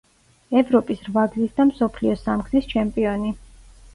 ევროპის რვაგზის და მსოფლიო სამგზის ჩემპიონი.